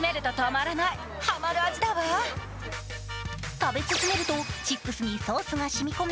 食べ進めるとチップスにソースがしみ込み